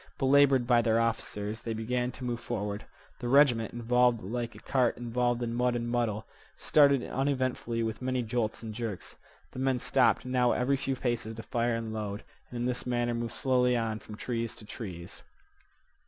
Belabored by their officers, they began to move forward. The regiment, involved like a cart involved in mud and muddle, started unevenly with many jolts and jerks. The men stopped now every few paces to fire and load, and in this manner moved slowly on from trees to trees.